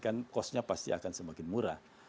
karena costnya pasti akan semakin murah